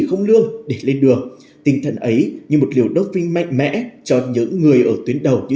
không lương để lên đường tinh thần ấy như một liều đốc vinh mạnh mẽ cho những người ở tuyến đầu như